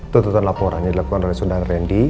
tutupan laporan yang dilakukan oleh sundara randy